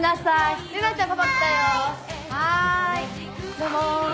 どうも。